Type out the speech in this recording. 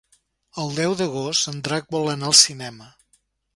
El deu d'agost en Drac vol anar al cinema.